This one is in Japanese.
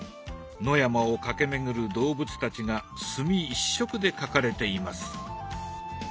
野山を駆け巡る動物たちが墨一色で描かれています。